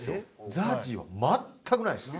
ＺＡＺＹは全くないです。